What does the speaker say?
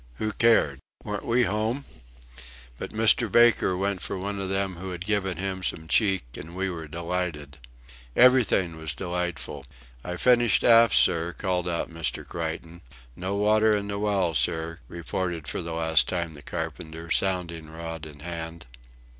Who cared? Weren't we home! But Mr. Baker went for one of them who had given him some cheek, and we were delighted. Everything was delightful. "I've finished aft, sir," called out Mr. Creighton. "No water in the well, sir," reported for the last time the carpenter, sounding rod in hand.